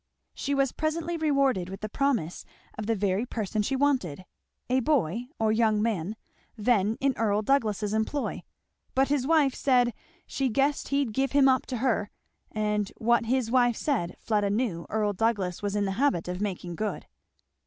She was presently rewarded with the promise of the very person she wanted a boy, or young man, then in Earl Douglass's employ; but his wife said "she guessed he'd give him up to her;" and what his wife said, Fleda knew, Earl Douglass was in the habit of making good.